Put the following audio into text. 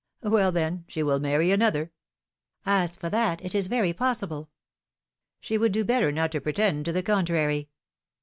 Well, then, she will marry another !" ^^As for that, it is very possible." ^^She would do better not to pretend to the contrary."